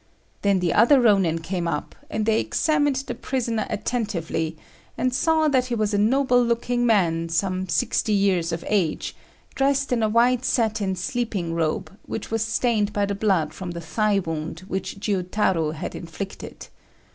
Then the other Rônin came up, and they examined the prisoner attentively, and saw that he was a noble looking man, some sixty years of age, dressed in a white satin sleeping robe, which was stained by the blood from the thigh wound which, Jiutarô had inflicted.